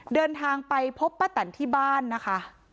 เดินทางไปพบป้าแตนที่บ้านนะคะ